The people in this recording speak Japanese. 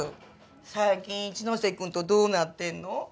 最近一ノ瀬君とどうなってんの？